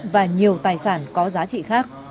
và nhiều tài sản có giá trị khác